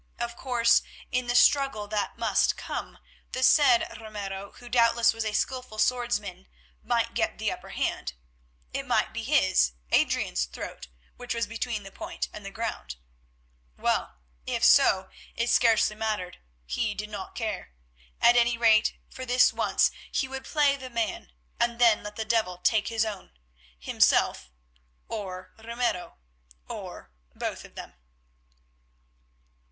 Of course in the struggle that must come, the said Ramiro, who doubtless was a skilful swordsman, might get the upper hand; it might be his, Adrian's throat, which was between the point and the ground. Well, if so, it scarcely mattered; he did not care. At any rate, for this once he would play the man and then let the devil take his own; himself, or Ramiro, or both of them.